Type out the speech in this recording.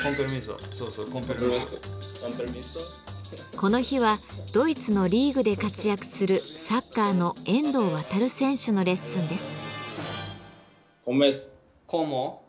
この日はドイツのリーグで活躍するサッカーの遠藤航選手のレッスンです。